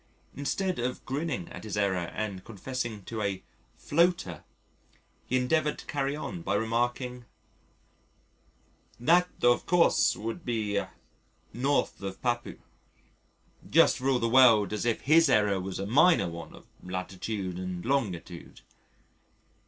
Instead of grinning at his error and confessing to a "floater," he endeavoured to carry on by remarking, "That of course would be N. of Papua," just for all the world as if his error was a minor one of latitude and longitude.